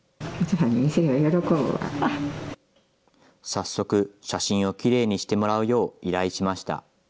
早速、写真をきれいにしてもらうよう依頼しました。